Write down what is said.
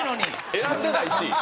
選んでないし。